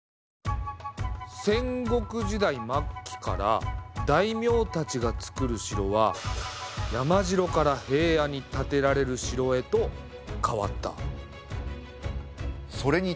戦国時代末期から大名たちがつくる城は山城から平野に建てられる城へと変わった。